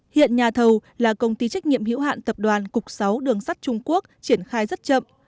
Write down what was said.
hiện nhà thầu là công ty trách nhiệm hữu hạn tập đoàn cục sáu đường sắt trung quốc triển khai rất chậm